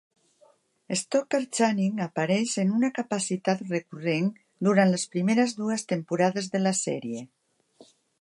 Stockard Channing apareix en una capacitat recurrent durant les primeres dues temporades de la sèrie.